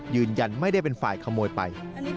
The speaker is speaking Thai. ยืนยันไม่ได้เป็นฝ่ายขโมยไป